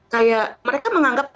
kayak mereka menganggap